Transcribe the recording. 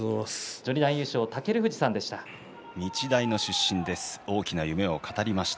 序二段優勝の尊富士さんでした。